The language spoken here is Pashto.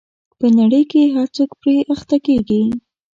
په نړۍ کې هر څوک پرې اخته کېږي.